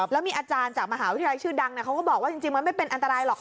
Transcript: แล้วมีอาจารย์จากมหาวิทยาลัยชื่อดังเขาก็บอกว่าจริงมันไม่เป็นอันตรายหรอก